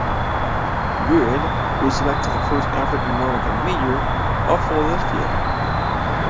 Goode was elected the first African American mayor of Philadelphia.